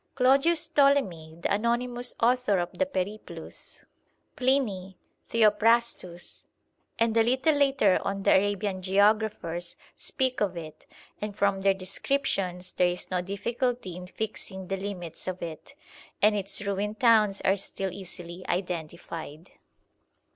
Claudius Ptolemy, the anonymous author of the 'Periplus,' Pliny, Theophrastus, and a little later on the Arabian geographers, speak of it, and from their descriptions there is no difficulty in fixing the limits of it, and its ruined towns are still easily identified.